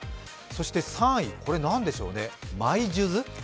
そして３位、これ何でしょうねマイ数珠。